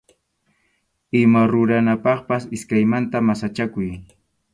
Ima ruranapaqpas iskaymanta masachakuy.